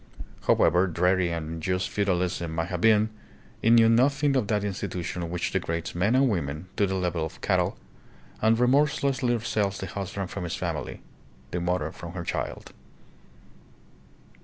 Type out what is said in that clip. However dreary and unjust feu dalism may have been, it knew nothing of that institution which degrades men and women to the level of cattle and remorselessly sells the husband from his family, the mother from her child.